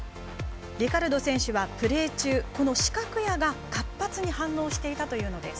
リカルド選手はプレー中この視覚野が活発に反応していたというのです。